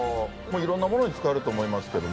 いろんなものに使えると思いますけども。